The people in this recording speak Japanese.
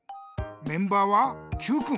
メンバーはＱくん。